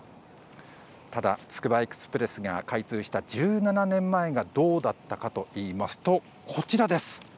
ただ、つくばエクスプレスが開通した１７年前がどうだったかといいますと、こちらです。